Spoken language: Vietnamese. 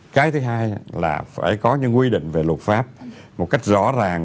cái thứ hai là phải có những quy định về luật pháp một cách rõ ràng